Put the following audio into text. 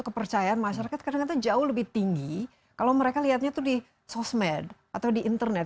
kepercayaan masyarakat kadang kadang jauh lebih tinggi kalau mereka lihatnya itu di sosmed atau di internet